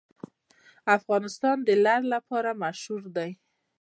افغانستان د لعل لپاره مشهور دی.